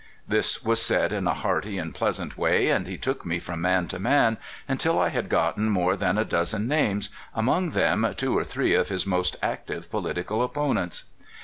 This was said in a heart}^ and pleasant wa3% and he took me from man to man, until I had got ten more than a dozen names, among them two or three of his most active political opponents.